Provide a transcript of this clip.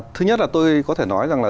thứ nhất là tôi có thể nói rằng là